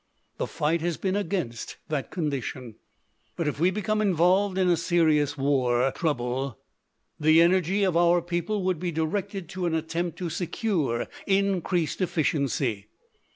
The fight has been against that condition. "But if we became involved in a serious war trouble the energy of our people would be directed to an attempt to secure increased efficiency.